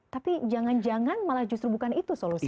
tapi jangan jangan malah justru bukan itu solusi